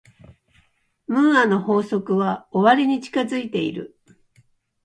ムーアの法則は終わりに近づいている。